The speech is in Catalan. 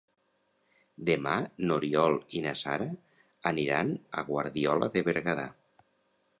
Demà n'Oriol i na Sara aniran a Guardiola de Berguedà.